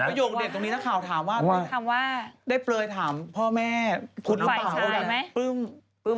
แต่ประโยคเด็ดตรงนี้ถ้าข่าวถามว่าได้เปลยถามพ่อแม่คุณหรือเปล่าแต่ปึ้ม